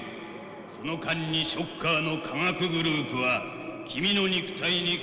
その間にショッカーの科学グループは君の肉体に改造を施した。